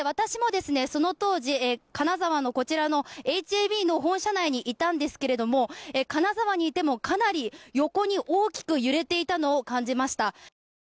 その当時、金沢のこちらのＨＡＢの本社内にいたんですが金沢にいても、かなり横に大きく揺れていたのを感じました。